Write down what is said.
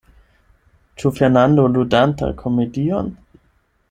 Ĉu Fernando ludanta komedion?